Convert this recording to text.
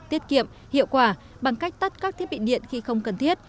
tiết kiệm hiệu quả bằng cách tắt các thiết bị điện khi không cần thiết